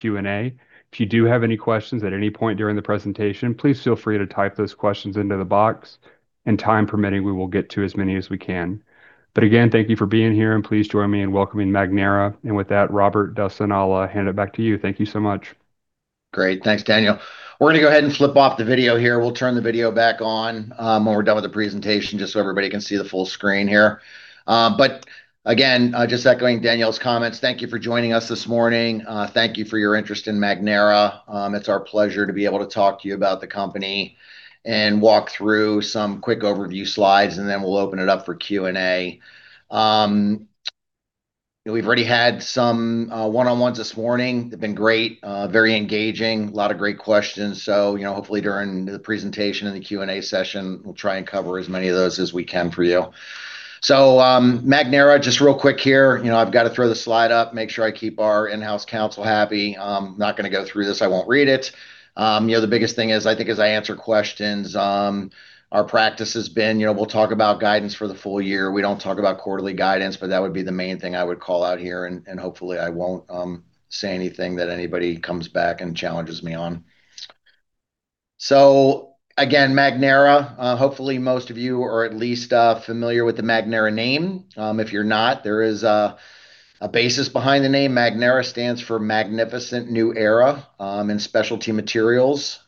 Q&A. If you do have any questions at any point during the presentation, please feel free to type those questions into the box, and time permitting, we will get to as many as we can. But again, thank you for being here, and please join me in welcoming Magnera. With that, Robert Weilminster, I'll hand it back to you. Thank you so much. Great. Thanks, Daniel. We're gonna go ahead and flip off the video here. We'll turn the video back on, when we're done with the presentation, just so everybody can see the full screen here. Again, just echoing Daniel's comments, thank you for joining us this morning. Thank you for your interest in Magnera. It's our pleasure to be able to talk to you about the company and walk through some quick overview slides, and then we'll open it up for Q&A. We've already had some one-on-ones this morning. They've been great, very engaging, lot of great questions. You know, hopefully during the presentation and the Q&A session, we'll try and cover as many of those as we can for you. Magnera, just real quick here. You know, I've got to throw the slide up, make sure I keep our in-house counsel happy. Not gonna go through this. I won't read it. You know, the biggest thing is, I think as I answer questions, our practice has been, you know, we'll talk about guidance for the full year. We don't talk about quarterly guidance, but that would be the main thing I would call out here, and hopefully I won't say anything that anybody comes back and challenges me on. Again, Magnera, hopefully most of you are at least familiar with the Magnera name. If you're not, there is a basis behind the name. Magnera stands for Magnificent New Era in specialty materials.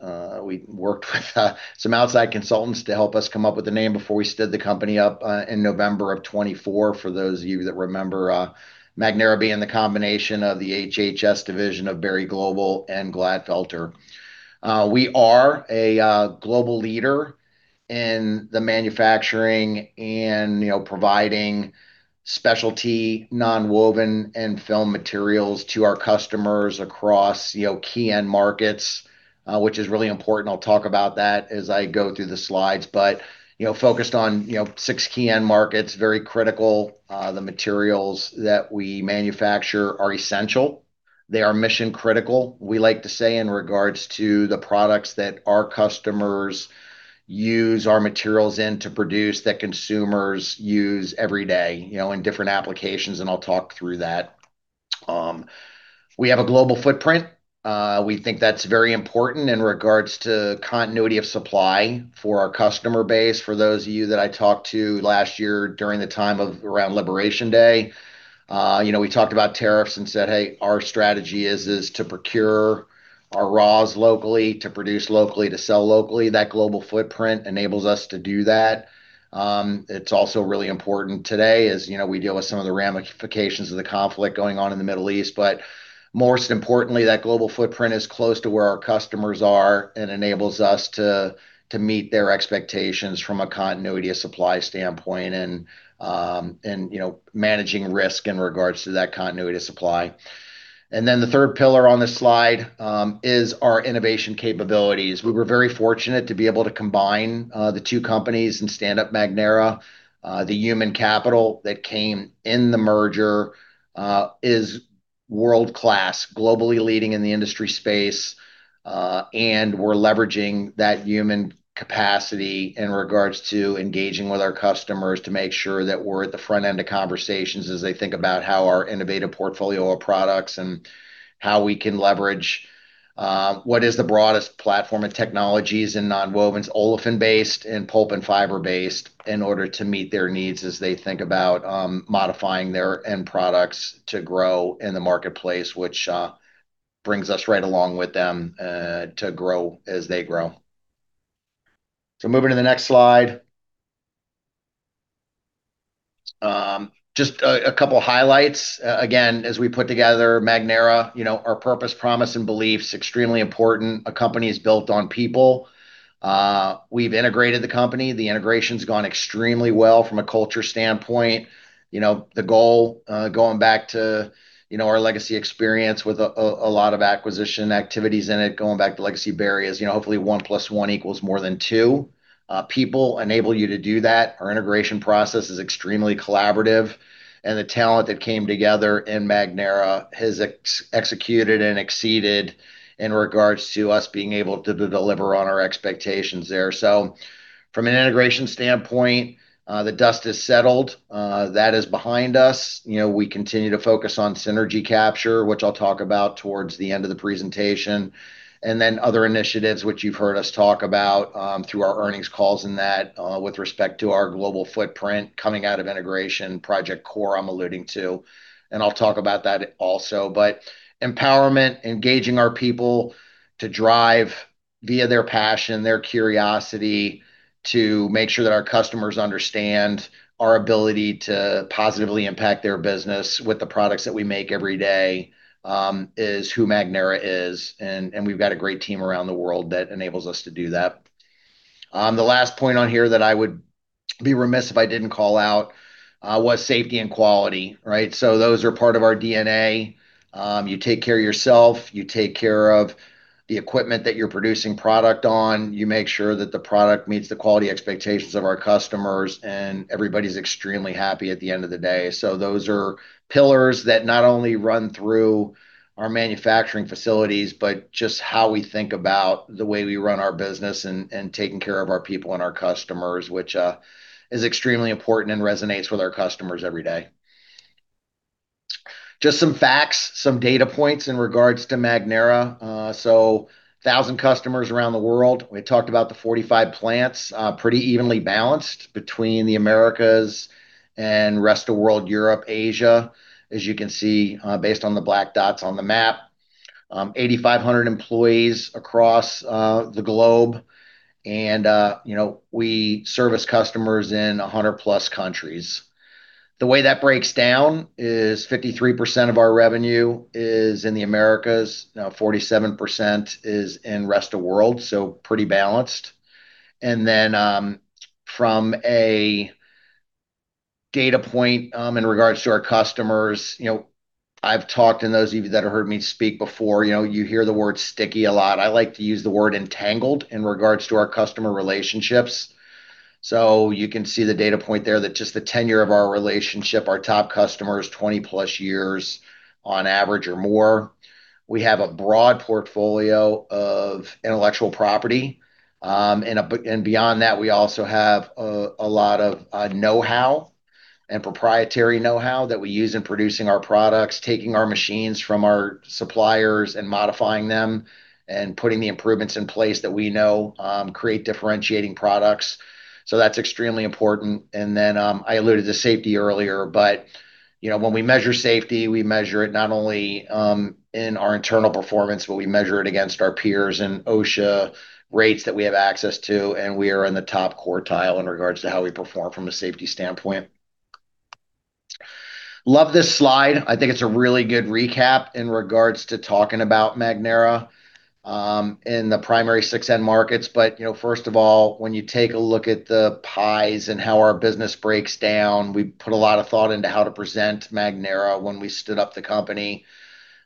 We worked with some outside consultants to help us come up with the name before we stood the company up in November of 2024, for those of you that remember, Magnera being the combination of the HH&S division of Berry Global and Glatfelter. We are a global leader in the manufacturing and, you know, providing specialty nonwoven and film materials to our customers across, you know, key end markets, which is really important. I'll talk about that as I go through the slides. You know, focused on, you know, six key end markets, very critical. The materials that we manufacture are essential. They are mission critical, we like to say, in regards to the products that our customers use our materials in to produce, that consumers use every day, you know, in different applications, and I'll talk through that. We have a global footprint. We think that's very important in regards to continuity of supply for our customer base. For those of you that I talked to last year during the time of around Liberation Day, you know, we talked about tariffs and said, "Hey, our strategy is to procure our raws locally, to produce locally, to sell locally." That global footprint enables us to do that. It's also really important today as, you know, we deal with some of the ramifications of the conflict going on in the Middle East. Most importantly, that global footprint is close to where our customers are and enables us to meet their expectations from a continuity of supply standpoint and, you know, managing risk in regards to that continuity of supply. The third pillar on this slide is our innovation capabilities. We were very fortunate to be able to combine the two companies and stand up Magnera. The human capital that came in the merger is world-class, globally leading in the industry space, and we're leveraging that human capacity in regards to engaging with our customers to make sure that we're at the front end of conversations as they think about how our innovative portfolio of products and how we can leverage what is the broadest platform of technologies in nonwovens, olefin-based and pulp and fiber-based, in order to meet their needs as they think about modifying their end products to grow in the marketplace, which brings us right along with them to grow as they grow. Moving to the next slide. Just a couple highlights. Again, as we put together Magnera, you know, our purpose, promise, and beliefs are extremely important. A company is built on people. We've integrated the company. The integration's gone extremely well from a culture standpoint. You know, the goal, going back to, you know, our legacy experience with a lot of acquisition activities in it, going back to Legacy Berry is, you know, hopefully one plus one equals more than two. People enable you to do that. Our integration process is extremely collaborative, and the talent that came together in Magnera has executed and exceeded in regards to us being able to deliver on our expectations there. From an integration standpoint, the dust is settled. That is behind us. You know, we continue to focus on synergy capture, which I'll talk about towards the end of the presentation. Other initiatives which you've heard us talk about, through our earnings calls and that, with respect to our global footprint coming out of integration, Project CORE I'm alluding to, and I'll talk about that also. Empowerment, engaging our people to drive via their passion, their curiosity, to make sure that our customers understand our ability to positively impact their business with the products that we make every day, is who Magnera is. We've got a great team around the world that enables us to do that. The last point on here that I would be remiss if I didn't call out was safety and quality, right? Those are part of our DNA. You take care of yourself, you take care of the equipment that you're producing product on, you make sure that the product meets the quality expectations of our customers, and everybody's extremely happy at the end of the day. Those are pillars that not only run through our manufacturing facilities, but just how we think about the way we run our business and taking care of our people and our customers, which is extremely important and resonates with our customers every day. Just some facts, some data points in regards to Magnera. 1,000 customers around the world. We talked about the 45 plants, pretty evenly balanced between the Americas and rest of world, Europe, Asia, as you can see, based on the black dots on the map. 8,500 employees across the globe and, you know, we service customers in 100+ countries. The way that breaks down is 53% of our revenue is in the Americas, 47% is in rest of world, so pretty balanced. From a data point, in regards to our customers, you know, I've talked, and those of you that have heard me speak before, you know, you hear the word sticky a lot. I like to use the word entangled in regards to our customer relationships. You can see the data point there that just the tenure of our relationship, our top customers, 20+ years on average or more. We have a broad portfolio of intellectual property and beyond that, we also have a lot of know-how and proprietary know-how that we use in producing our products, taking our machines from our suppliers and modifying them and putting the improvements in place that we know create differentiating products. That's extremely important. I alluded to safety earlier, but you know, when we measure safety, we measure it not only in our internal performance, but we measure it against our peers and OSHA rates that we have access to, and we are in the top quartile in regards to how we perform from a safety standpoint. Love this slide. I think it's a really good recap in regards to talking about Magnera in the primary six end markets. you know, first of all, when you take a look at the pies and how our business breaks down, we put a lot of thought into how to present Magnera when we stood up the company.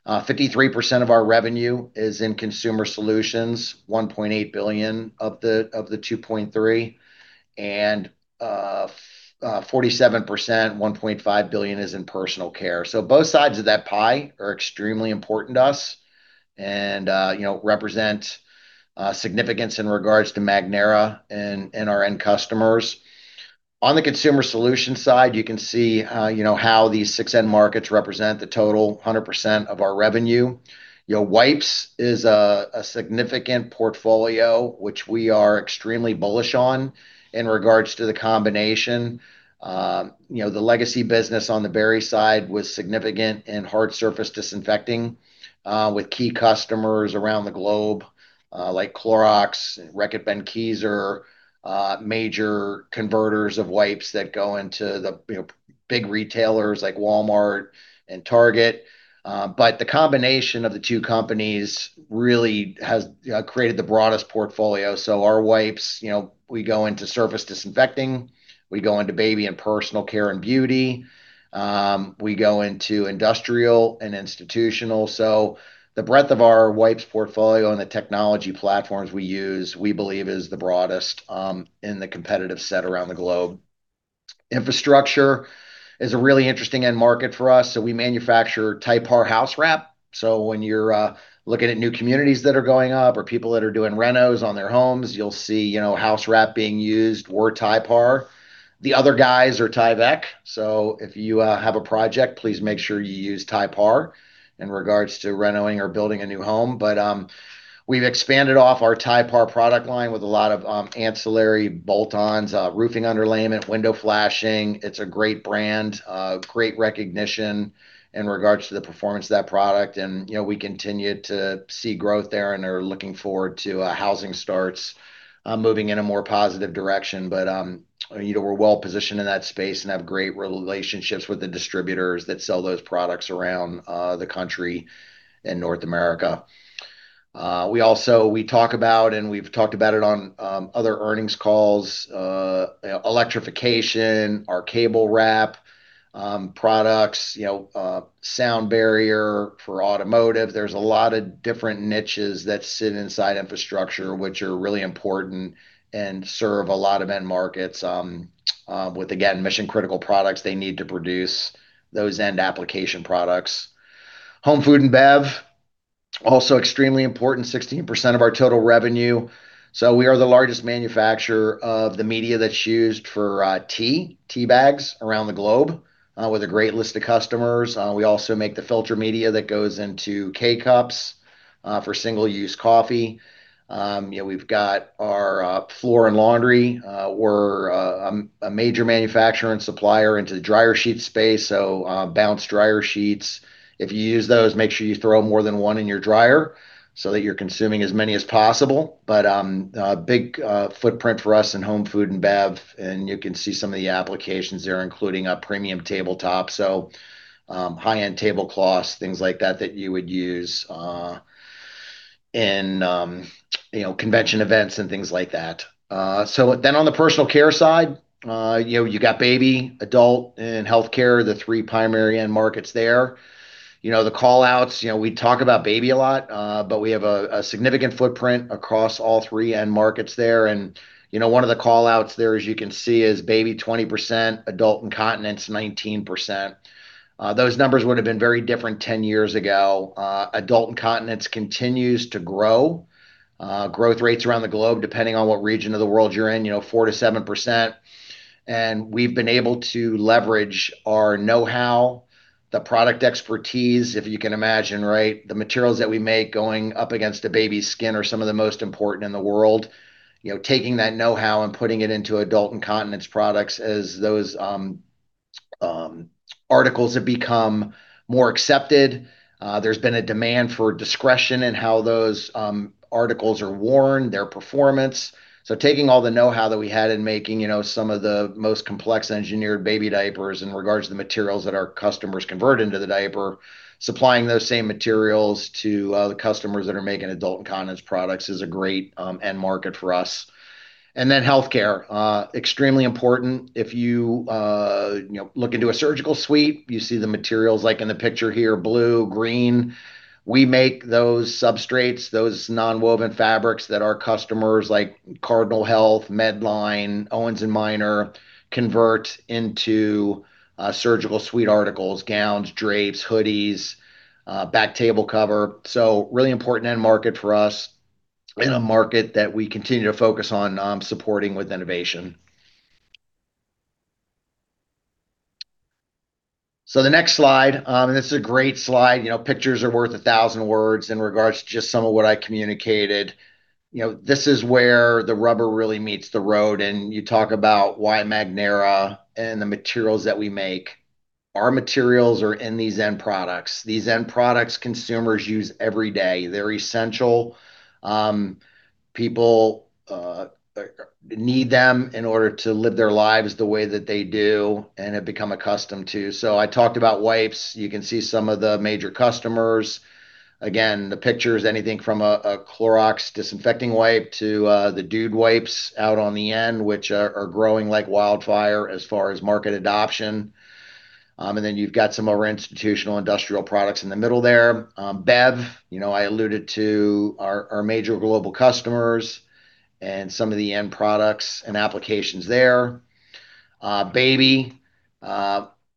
53% of our revenue is in consumer solutions, $1.8 billion of the $2.3 billion, and 47%, $1.5 billion is in personal care. both sides of that pie are extremely important to us and you know, represent significance in regards to Magnera and our end customers. On the consumer solutions side, you can see you know, how these six end markets represent the total 100% of our revenue. You know, wipes is a significant portfolio, which we are extremely bullish on in regards to the combination. You know, the legacy business on the Berry side was significant in hard surface disinfecting, with key customers around the globe, like Clorox, Reckitt Benckiser, major converters of wipes that go into the, you know, big retailers like Walmart and Target. The combination of the two companies really has created the broadest portfolio. Our wipes, you know, we go into surface disinfecting, we go into baby and personal care and beauty, we go into industrial and institutional. The breadth of our wipes portfolio and the technology platforms we use, we believe is the broadest, in the competitive set around the globe. Infrastructure is a really interesting end market for us. We manufacture Typar housewrap. When you're looking at new communities that are going up or people that are doing renos on their homes, you'll see, you know, housewrap being used. We're Typar. The other guys are Tyvek. If you have a project, please make sure you use Typar in regards to reno-ing or building a new home. We've expanded off our Typar product line with a lot of ancillary bolt-ons, roofing underlayment, window flashing. It's a great brand, great recognition in regards to the performance of that product. You know, we continue to see growth there and are looking forward to housing starts moving in a more positive direction. You know, we're well-positioned in that space and have great relationships with the distributors that sell those products around the country in North America. We also talk about, and we've talked about it on other earnings calls, electrification, our cable wrap products, you know, sound barrier for automotive. There's a lot of different niches that sit inside infrastructure which are really important and serve a lot of end markets, with, again, mission-critical products they need to produce those end application products. Home food and bev, also extremely important, 16% of our total revenue. We are the largest manufacturer of the media that's used for tea bags around the globe, with a great list of customers. We also make the filter media that goes into K-Cups for single-use coffee. You know, we've got our floor and laundry. We're a major manufacturer and supplier into the dryer sheet space, so Bounce dryer sheets. If you use those, make sure you throw more than one in your dryer so that you're consuming as many as possible. Big footprint for us in home food and bev, and you can see some of the applications there, including premium tabletop. High-end tablecloths, things like that you would use in you know convention events and things like that. On the personal care side, you know you got baby, adult, and healthcare, the three primary end markets there. You know, the call-outs, you know, we talk about baby a lot, but we have a significant footprint across all three end markets there. You know, one of the call-outs there, as you can see, is baby, 20%, adult incontinence, 19%. Those numbers would have been very different 10 years ago. Adult incontinence continues to grow. Growth rates around the globe, depending on what region of the world you're in, you know, 4%-7%. We've been able to leverage our know-how, the product expertise, if you can imagine, right? The materials that we make going up against a baby's skin are some of the most important in the world. You know, taking that know-how and putting it into adult incontinence products as those articles have become more accepted. There's been a demand for discretion in how those articles are worn, their performance. Taking all the know-how that we had in making, you know, some of the most complex engineered baby diapers in regards to the materials that our customers convert into the diaper, supplying those same materials to the customers that are making adult incontinence products is a great end market for us. Healthcare extremely important. If you know look into a surgical suite, you see the materials like in the picture here, blue, green. We make those substrates, those nonwoven fabrics that our customers like Cardinal Health, Medline, Owens & Minor convert into surgical suite articles, gowns, drapes, hoodies, back table cover. Really important end market for us in a market that we continue to focus on supporting with innovation. The next slide and this is a great slide. You know, pictures are worth a thousand words in regards to just some of what I communicated. You know, this is where the rubber really meets the road, and you talk about why Magnera and the materials that we make. Our materials are in these end products. These end products consumers use every day. They're essential. People need them in order to live their lives the way that they do and have become accustomed to. I talked about wipes. You can see some of the major customers. Again, the pictures, anything from a Clorox disinfecting wipe to the Dude Wipes out on the end, which are growing like wildfire as far as market adoption. Then you've got some of our institutional industrial products in the middle there. Bev, you know, I alluded to our major global customers and some of the end products and applications there. Basically,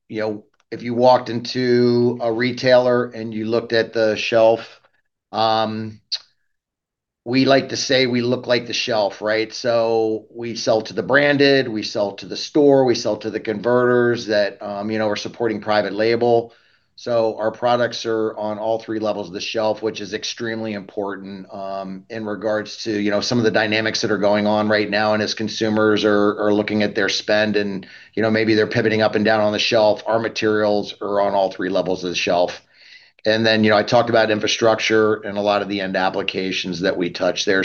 you know, if you walked into a retailer and you looked at the shelf, we like to say we look like the shelf, right? So we sell to the branded, we sell to the store, we sell to the converters that, you know, are supporting private label. So our products are on all three levels of the shelf, which is extremely important, in regards to, you know, some of the dynamics that are going on right now. As consumers are looking at their spend and, you know, maybe they're pivoting up and down on the shelf, our materials are on all three levels of the shelf. You know, I talked about infrastructure and a lot of the end applications that we touch there.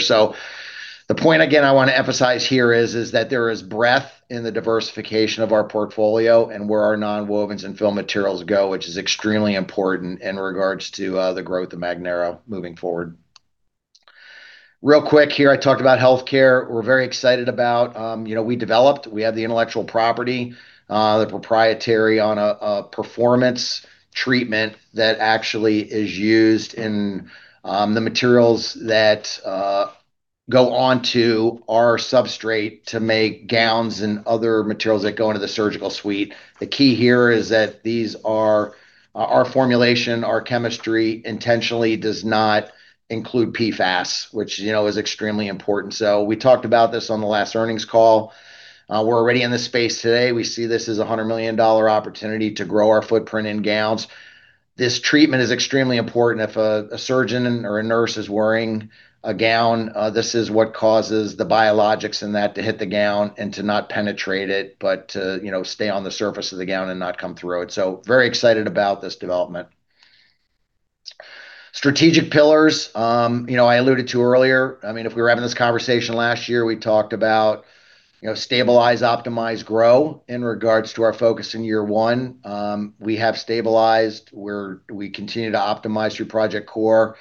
The point again I want to emphasize here is that there is breadth in the diversification of our portfolio and where our nonwovens and film materials go, which is extremely important in regards to the growth of Magnera moving forward. Real quick here, I talked about healthcare. We're very excited about, you know, we developed, we have the intellectual property, the proprietary on a performance treatment that actually is used in the materials that go onto our substrate to make gowns and other materials that go into the surgical suite. The key here is that these are our formulation, our chemistry intentionally does not include PFAS, which, you know, is extremely important. We talked about this on the last earnings call. We're already in this space today. We see this as a $100 million opportunity to grow our footprint in gowns. This treatment is extremely important. If a surgeon or a nurse is wearing a gown, this is what causes the biologics in that to hit the gown and to not penetrate it, but to, you know, stay on the surface of the gown and not come through it. Very excited about this development. Strategic pillars, you know, I alluded to earlier. I mean, if we were having this conversation last year, we talked about, you know, stabilize, optimize, grow in regards to our focus in year one. We have stabilized. We continue to optimize through Project CORE.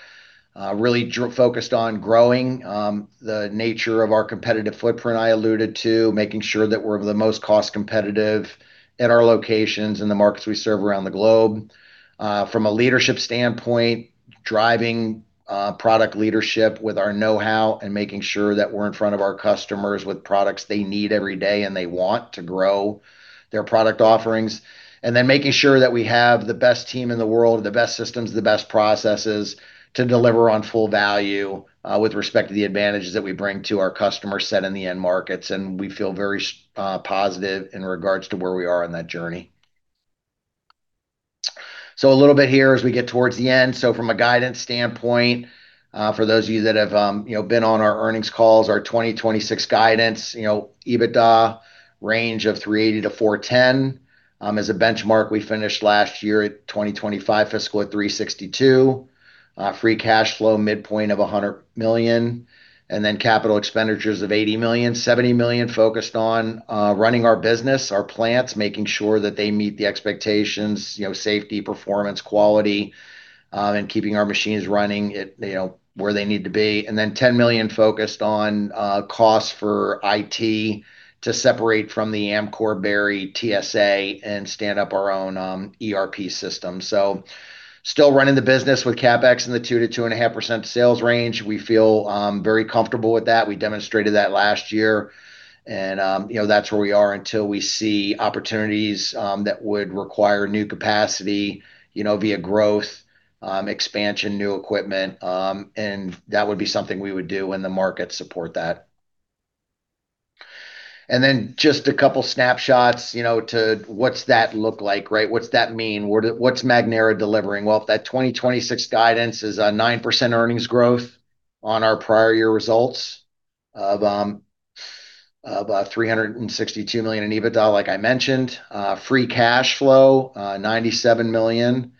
Really focused on growing the nature of our competitive footprint I alluded to, making sure that we're the most cost competitive at our locations in the markets we serve around the globe. From a leadership standpoint, driving product leadership with our know-how and making sure that we're in front of our customers with products they need every day and they want to grow their product offerings. Making sure that we have the best team in the world, the best systems, the best processes to deliver on full value with respect to the advantages that we bring to our customers set in the end markets. We feel very positive in regards to where we are on that journey. A little bit here as we get towards the end. From a guidance standpoint, for those of you that have, you know, been on our earnings calls, our 2026 guidance, you know, EBITDA range of $380 million-$410 million. As a benchmark, we finished last year at FY 2025 at $362 million. Free cash flow midpoint of $100 million. Then capital expenditures of $80 million, $70 million focused on running our business, our plants, making sure that they meet the expectations, you know, safety, performance, quality, and keeping our machines running at, you know, where they need to be. Then $10 million focused on costs for IT to separate from the Amcor Berry TSA and stand up our own ERP system. Still running the business with CapEx in the 2%-2.5% sales range. We feel very comfortable with that. We demonstrated that last year. You know, that's where we are until we see opportunities that would require new capacity, you know, via growth, expansion, new equipment, and that would be something we would do when the markets support that. Then just a couple snapshots, you know, to what's that look like, right? What's that mean? What's Magnera delivering? Well, if that 2026 guidance is a 9% earnings growth on our prior year results of $362 million in EBITDA, like I mentioned. Free cash flow, $97 million.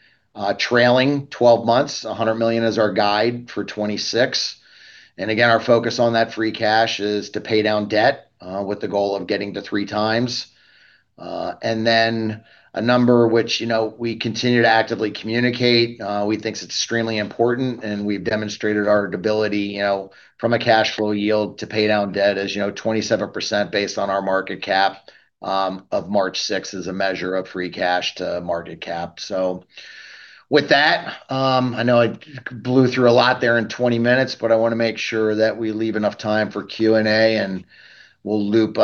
Trailing twelve months, $100 million is our guide for 2026. Again, our focus on that free cash is to pay down debt with the goal of getting to 3x. A number which, you know, we continue to actively communicate, we think it's extremely important, and we've demonstrated our ability, you know, from a cash flow yield to pay down debt, as you know, 27% based on our market cap of March sixth is a measure of free cash to market cap. With that, I know I blew through a lot there in 20 minutes, but I wanna make sure that we leave enough time for Q&A, and we'll loop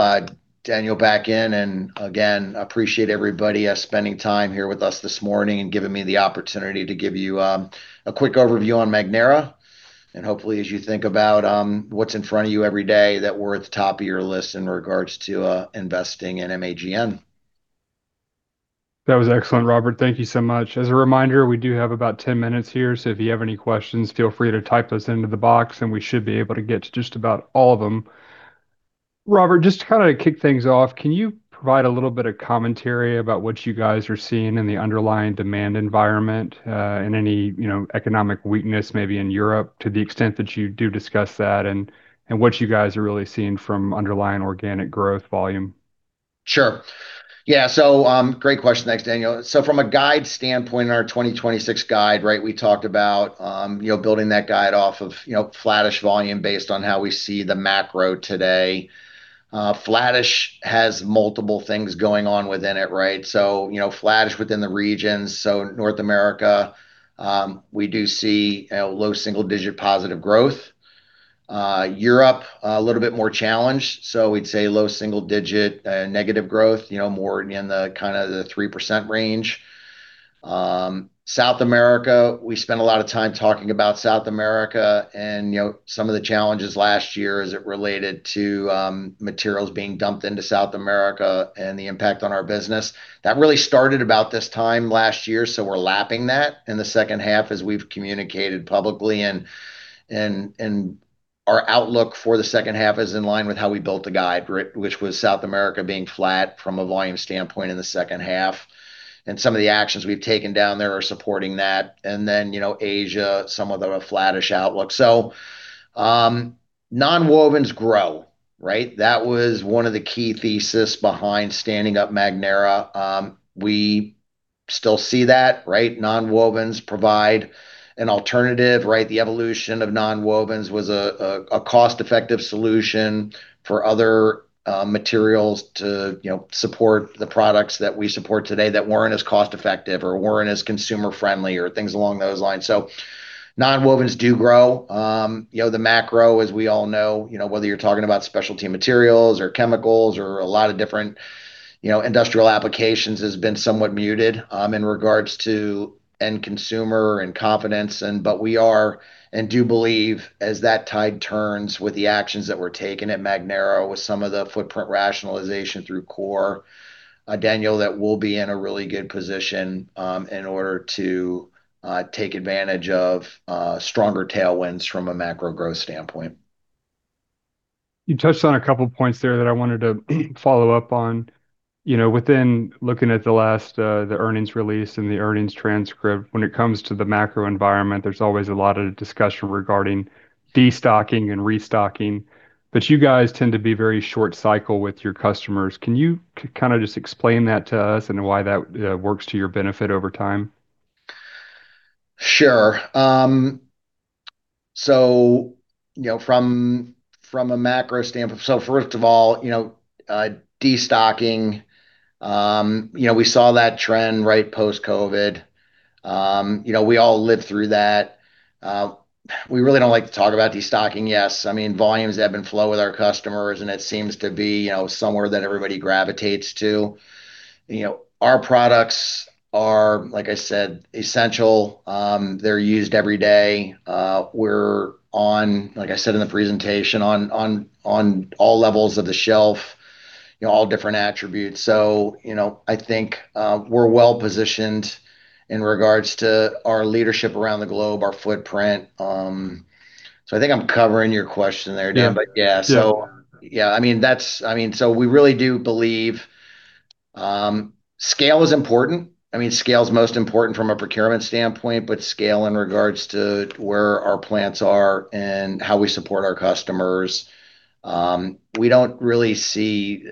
Daniel back in. Again, appreciate everybody spending time here with us this morning and giving me the opportunity to give you a quick overview on Magnera. Hopefully, as you think about what's in front of you every day, that we're at the top of your list in regards to investing in MAGN. That was excellent, Robert. Thank you so much. As a reminder, we do have about 10 minutes here, so if you have any questions, feel free to type those into the box, and we should be able to get to just about all of them. Robert, just to kinda kick things off, can you provide a little bit of commentary about what you guys are seeing in the underlying demand environment, and any, you know, economic weakness maybe in Europe to the extent that you do discuss that and what you guys are really seeing from underlying organic growth volume? Sure. Yeah, great question. Thanks, Daniel. From a guide standpoint in our 2026 guide, right, we talked about, you know, building that guide off of, you know, flattish volume based on how we see the macro today. Flattish has multiple things going on within it, right? You know, flattish within the regions. North America, we do see low single-digit positive growth. Europe, a little bit more challenged, so we'd say low single-digit negative growth, you know, more in the kind of the 3% range. South America, we spent a lot of time talking about South America and, you know, some of the challenges last year as it related to materials being dumped into South America and the impact on our business. That really started about this time last year, so we're lapping that in the H2 as we've communicated publicly. Our outlook for the H2 is in line with how we built the guide, which was South America being flat from a volume standpoint in the H2. Some of the actions we've taken down there are supporting that. You know, Asia, some of the flattish outlook. Nonwovens grow, right? That was one of the key thesis behind standing up Magnera. We still see that, right? Nonwovens provide an alternative, right? The evolution of nonwovens was a cost-effective solution for other materials to, you know, support the products that we support today that weren't as cost effective or weren't as consumer friendly or things along those lines. Nonwovens do grow. you know, the macro, as we all know, you know, whether you're talking about specialty materials or chemicals or a lot of different, you know, industrial applications has been somewhat muted, in regards to end consumer and confidence. We do believe as that tide turns with the actions that were taken at Magnera with some of the footprint rationalization through CORE, Daniel, that we'll be in a really good position, in order to take advantage of stronger tailwinds from a macro growth standpoint. You touched on a couple points there that I wanted to follow up on. You know, within looking at the last, the earnings release and the earnings transcript, when it comes to the macro environment, there's always a lot of discussion regarding destocking and restocking, but you guys tend to be very short cycle with your customers. Can you kinda just explain that to us and why that works to your benefit over time? Sure. You know, from a macro standpoint. First of all, you know, destocking, you know, we saw that trend, right, post-COVID. You know, we all lived through that. We really don't like to talk about destocking. Yes, I mean, volumes ebb and flow with our customers, and it seems to be, you know, somewhere that everybody gravitates to. You know, our products are, like I said, essential. They're used every day. We're on, like I said in the presentation, on all levels of the shelf, you know, all different attributes. You know, I think, we're well-positioned in regards to our leadership around the globe, our footprint. I think I'm covering your question there, Dan. Yeah. Yeah. Yeah. We really do believe scale is important. I mean, scale is most important from a procurement standpoint, but scale in regards to where our plants are and how we support our customers, we don't really see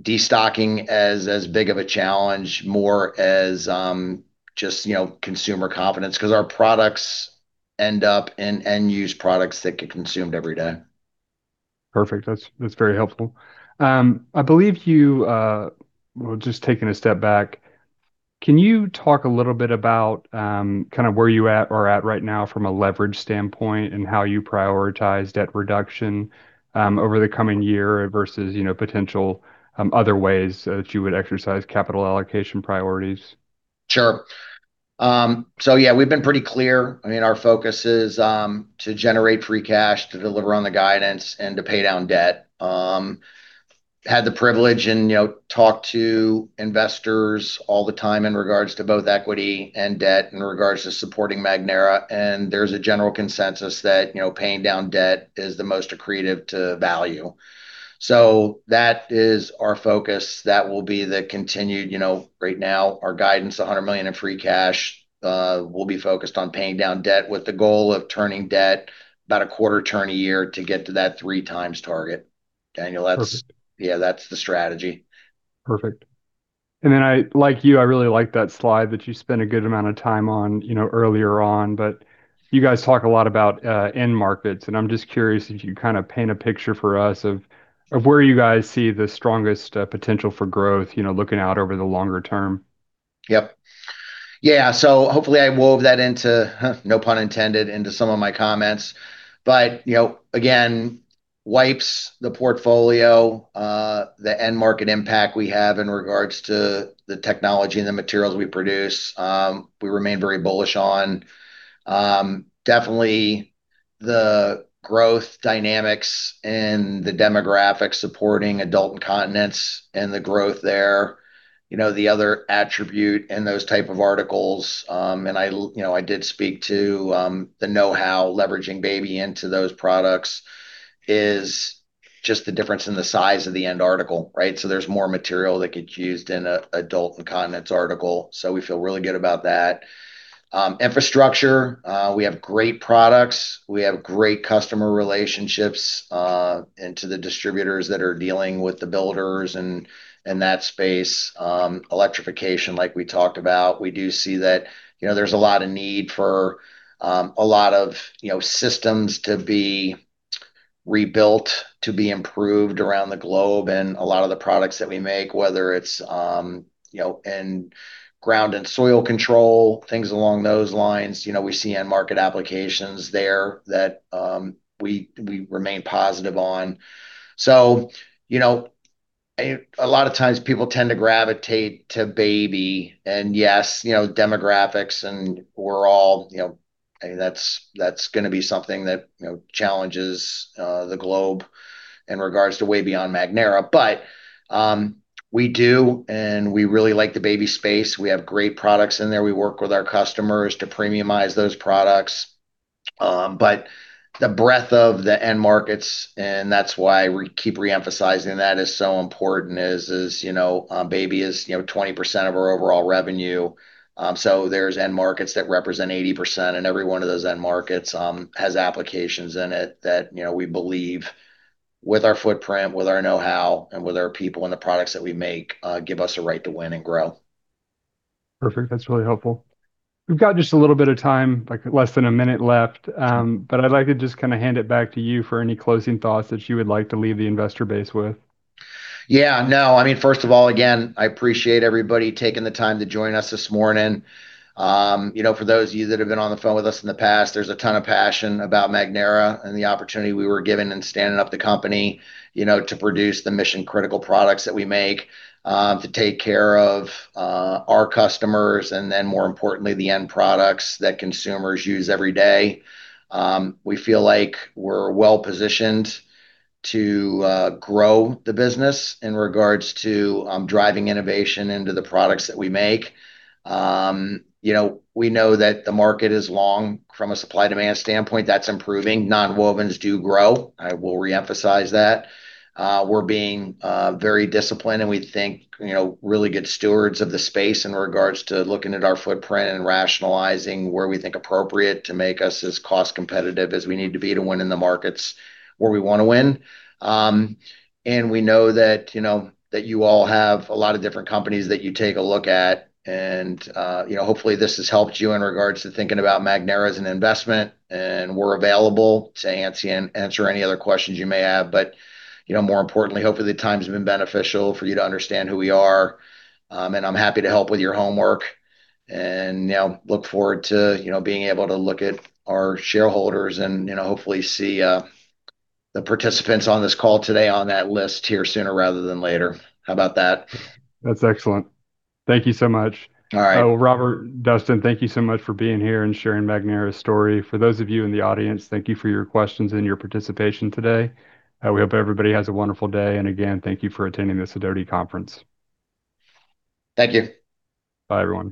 destocking as a big of a challenge, more as just you know consumer confidence 'cause our products end up in end-use products that get consumed every day. Perfect. That's very helpful. I believe you. Well, just taking a step back, can you talk a little bit about kind of where you are at right now from a leverage standpoint and how you prioritize debt reduction over the coming year versus, you know, potential other ways that you would exercise capital allocation priorities? Sure. Yeah, we've been pretty clear. I mean, our focus is to generate free cash, to deliver on the guidance, and to pay down debt. Had the privilege and, you know, talked to investors all the time in regards to both equity and debt in regards to supporting Magnera. There's a general consensus that, you know, paying down debt is the most accretive to value. That is our focus. That will be continued. You know, right now our guidance, $100 million in free cash, will be focused on paying down debt with the goal of turning debt about a quarter turn a year to get to that three times target. Daniel, that's. Perfect. Yeah, that's the strategy. Perfect. I, like you, I really like that slide that you spent a good amount of time on, you know, earlier on. You guys talk a lot about end markets, and I'm just curious if you'd kind of paint a picture for us of where you guys see the strongest potential for growth, you know, looking out over the longer term. Yeah. Hopefully I wove that into, no pun intended, into some of my comments. You know, again, wipes in the portfolio, the end market impact we have in regards to the technology and the materials we produce, we remain very bullish on. Definitely the growth dynamics and the demographics supporting adult incontinence and the growth there. You know, the other attribute in those type of articles, and I know, you know, I did speak to, the know-how leveraging baby into those products is just the difference in the size of the end article, right? There's more material that gets used in an adult incontinence article, so we feel really good about that. Infrastructure, we have great products. We have great customer relationships, and to the distributors that are dealing with the builders and in that space. Electrification, like we talked about, we do see that, you know, there's a lot of need for a lot of, you know, systems to be rebuilt, to be improved around the globe. A lot of the products that we make, whether it's, you know, in ground and soil control, things along those lines, you know, we see end market applications there that we remain positive on. You know, a lot of times people tend to gravitate to baby, and yes, you know, demographics and we're all, you know. I mean, that's gonna be something that, you know, challenges the globe in regards to way beyond Magnera. We do, and we really like the baby space. We have great products in there. We work with our customers to premiumize those products. The breadth of the end markets, and that's why we keep re-emphasizing that as so important is, you know, baby is, you know, 20% of our overall revenue. There's end markets that represent 80%, and every one of those end markets has applications in it that, you know, we believe with our footprint, with our knowhow, and with our people and the products that we make give us a right to win and grow. Perfect. That's really helpful. We've got just a little bit of time, like less than a minute left. Sure. I'd like to just kinda hand it back to you for any closing thoughts that you would like to leave the investor base with. Yeah, no. I mean, first of all, again, I appreciate everybody taking the time to join us this morning. You know, for those of you that have been on the phone with us in the past, there's a ton of passion about Magnera and the opportunity we were given in standing up the company, you know, to produce the mission-critical products that we make, to take care of our customers and then more importantly, the end products that consumers use every day. We feel like we're well-positioned to grow the business in regards to driving innovation into the products that we make. You know, we know that the market is long from a supply-demand standpoint. That's improving. Nonwovens do grow. I will re-emphasize that. We're being very disciplined and we think, you know, really good stewards of the space in regards to looking at our footprint and rationalizing where we think appropriate to make us as cost competitive as we need to be to win in the markets where we wanna win. We know that, you know, that you all have a lot of different companies that you take a look at, and you know, hopefully this has helped you in regards to thinking about Magnera as an investment. We're available to answer any other questions you may have. You know, more importantly, hopefully the time's been beneficial for you to understand who we are. I'm happy to help with your homework and, you know, look forward to, you know, being able to look at our shareholders and, you know, hopefully see the participants on this call today on that list here sooner rather than later. How about that? That's excellent. Thank you so much. All right. Robert Weilminster, thank you so much for being here and sharing Magnera's story. For those of you in the audience, thank you for your questions and your participation today. We hope everybody has a wonderful day, and again, thank you for attending this Sidoti Conference. Thank you. Bye, everyone.